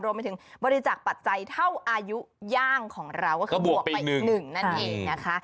รวมไปถึงบริจาคปัจจัยเท่าอายุย่างของเราก็คือบวกไป๑นั่นเองนะคะ